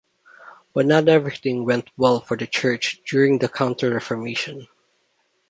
But not everything went well for the Church during the Counter-Reformation.